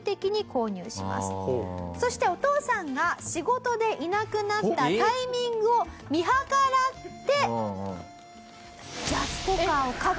そしてお父さんが仕事でいなくなったタイミングを見計らって。